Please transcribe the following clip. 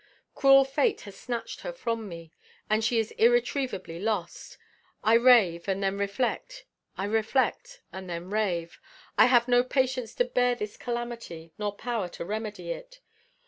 Cruel fate has snatched her from me, and she is irretrievably lost. I rave, and then reflect; I reflect, and then rave. I have no patience to bear this calamity, nor power to remedy it.